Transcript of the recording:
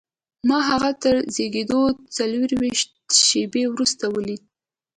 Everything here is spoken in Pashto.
ما هغه تر زېږېدو څلرویشت شېبې وروسته ولید